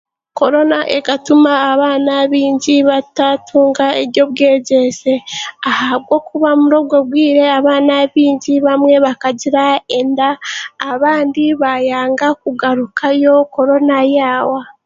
Korona ekatuma abaana baingi bataatunga eby'obwegyese ahabwokuba muryobwe bwire abaana baingi bamwe bakagira enda abandi baayanga kugarukayo korona yaawa